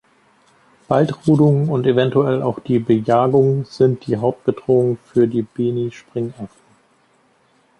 Waldrodungen und eventuell auch die Bejagung sind die Hauptbedrohungen für die Beni-Springaffen.